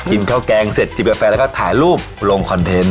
กินข้าวแกงเสร็จจิบกาแฟแล้วก็ถ่ายรูปลงคอนเทนต์